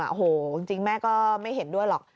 โอ้โหจริงแม่ก็ไม่เห็นด้วยหรอก